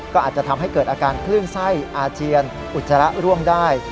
ก็อาจจะทำให้เกิดอาการคลื่นไส้อาเจียนอุจจาระร่วงได้